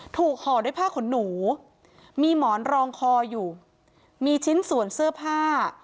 ห่อด้วยผ้าขนหนูมีหมอนรองคออยู่มีชิ้นส่วนเสื้อผ้า